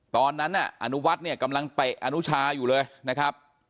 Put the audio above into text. ตอนนั้นน่ะอนุวัฒน์เนี่ยกำลังเตะอนุชาอยู่เลยนะครับ